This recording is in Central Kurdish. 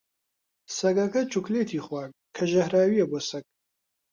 سەگەکە چوکلێتی خوارد، کە ژەهراوییە بۆ سەگ.